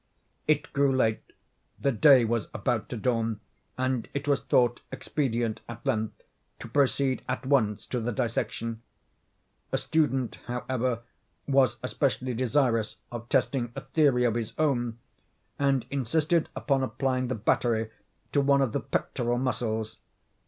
It grew late. The day was about to dawn; and it was thought expedient, at length, to proceed at once to the dissection. A student, however, was especially desirous of testing a theory of his own, and insisted upon applying the battery to one of the pectoral muscles.